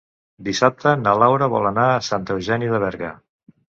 Dissabte na Laura vol anar a Santa Eugènia de Berga.